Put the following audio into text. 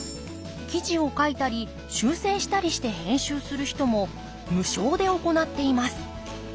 記事を書いたり修正したりして編集する人も無償で行っています。